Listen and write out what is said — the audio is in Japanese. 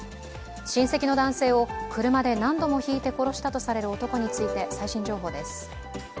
親戚の男性を車で何度もひいて殺したとされる男について最新情報です。